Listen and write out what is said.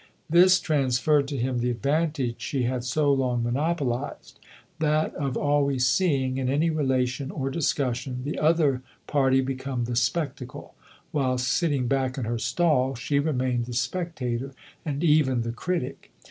This transferred to him the advantage she had so long monopolised, that of THE OTHER HOUSE 133 always seeing, in any relation or discussion, the other party become the spectacle, while, sitting back in her stall, she remained the spectator and even the critic.